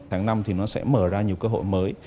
tháng năm thì nó sẽ mở ra nhiều cơ hội mới